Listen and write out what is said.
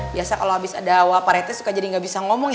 biasa kalo abis ada awap pak rt suka jadi gak bisa ngomong ya